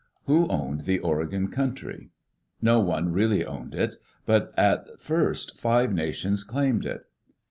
Who owned the Oregon country? No one really owned it; but at first five nations claimed it.